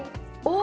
お！